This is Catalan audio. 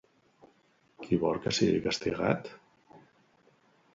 Qui vol que sigui castigat?